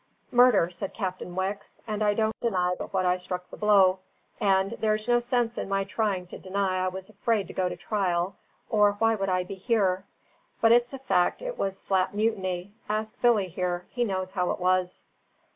"Murder," said Captain Wicks, "and I don't deny but what I struck the blow. And there's no sense in my trying to deny I was afraid to go to trial, or why would I be here? But it's a fact it was flat mutiny. Ask Billy here. He knows how it was."